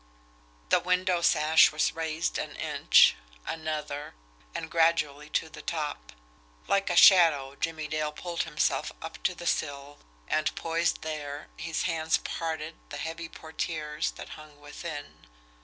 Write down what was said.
The window sash was raised an inch, another, and gradually to the top. Like a shadow, Jimmie Dale pulled himself up to the sill, and, poised there, his hand parted the heavy portieres that hung within.